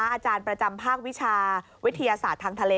อาจารย์ประจำภาควิชาวิทยาศาสตร์ทางทะเล